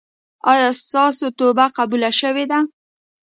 ایا ستاسو توبه قبوله شوې ده؟